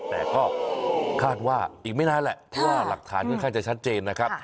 แต่ก็คาดว่าอีกไม่นานแหละเพราะว่าหลักฐานค่อนข้างจะชัดเจนนะครับ